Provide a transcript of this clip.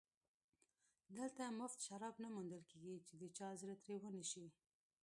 دلته مفت شراب نه موندل کېږي چې د چا زړه ترې ونشي